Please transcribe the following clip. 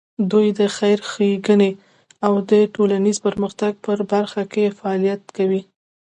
دوی د خیر ښېګڼې او د ټولنیز پرمختګ په برخه کې فعالیت کوي.